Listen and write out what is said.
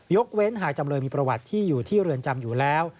เว้นหากจำเลยมีประวัติที่อยู่ที่เรือนจำอยู่แล้ว